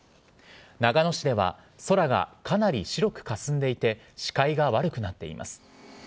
長野市では空がかなり白くかすんでいて視界が悪くなっています。